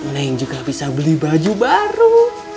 neng juga bisa beli baju baru